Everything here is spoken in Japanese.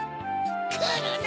くるな！